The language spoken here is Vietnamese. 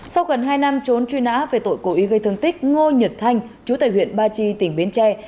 sau gần hai năm trốn truy nã về tội cố ý gây thương tích ngô nhật thanh chú tại huyện ba chi tỉnh bến tre